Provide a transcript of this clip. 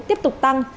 tiếp tục tăng